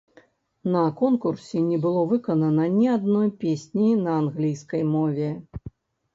На конкурсе не было выканана ні адной песні на англійскай мове.